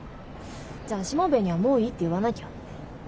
じゃあしもべえにはもういいって言わなきゃ。